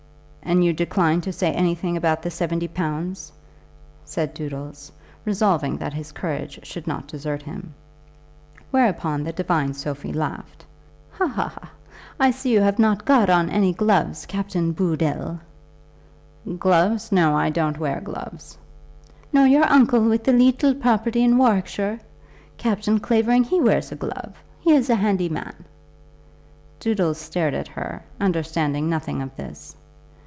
"And you decline to say anything about the seventy pounds?" said Doodles, resolving that his courage should not desert him. Whereupon the divine Sophie laughed. "Ha, ha, ha! I see you have not got on any gloves, Captain Booddle." "Gloves; no. I don't wear gloves." "Nor your uncle with the leetle property in Warwickshire? Captain Clavering, he wears a glove. He is a handy man." Doodles stared at her, understanding nothing of this.